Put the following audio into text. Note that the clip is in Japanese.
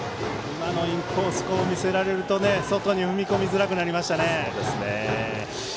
今のインコースを見せられると外に踏み込みづらくなりましたね。